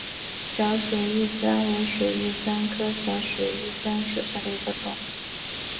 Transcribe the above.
小水玉簪为水玉簪科小水玉簪属下的一个种。